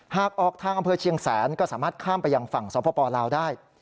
หากออกทางอำเภอเชียงแสนก็สามารถข้ามไปยังฝั่งสปลาวได้